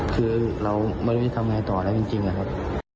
คือเราไม่รู้จะทำไงต่อแล้วจริงนะครับ